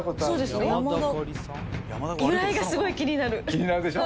気になるでしょ？